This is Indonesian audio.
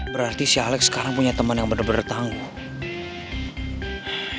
berarti si alex sekarang punya temen yang bener bener tangguh